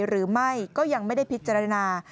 หรือไม่ก็ยังไม่ได้พิจารณา